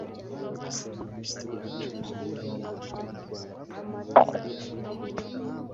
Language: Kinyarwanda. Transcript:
agasaba Minisitiri w’ ubucuruzi n’ inganda gukurikirana ibyo bibazo bigakemurwa